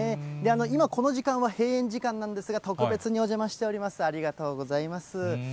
今、この時間は閉園時間なんですが、特別にお邪魔しております、ありがとうございます。